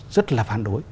rất là phản đối